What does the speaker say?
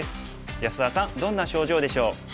安田さんどんな症状でしょう？